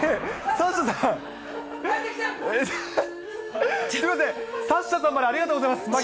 すみません、サッシャさんまでありがとうございます。